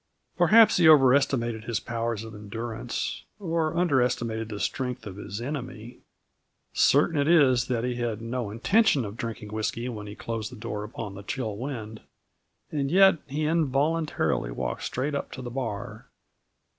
Perhaps he over estimated his powers of endurance, or under estimated the strength of his enemy. Certain it is that he had no intention of drinking whisky when he closed the door upon the chill wind; and yet, he involuntarily walked straight up to the bar.